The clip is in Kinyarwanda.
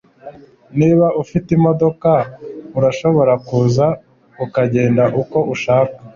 Niba ufite imodoka, urashobora kuza ukagenda uko ushaka.